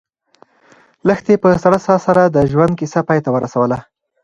لښتې په سړه ساه سره د ژوند کیسه پای ته ورسوله.